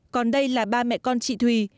còn đây là ba mẹ con chị thùy